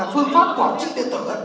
phương pháp quản trị điện tử